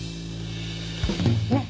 ねっ？